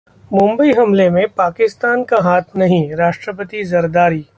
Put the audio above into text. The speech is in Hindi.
मुंबई हमले में पाकिस्तान का हाथ नहीं: राष्ट्रपति जरदारी